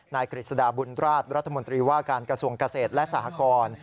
กฤษฎาบุญราชรัฐมนตรีว่าการกระทรวงเกษตรและสหกร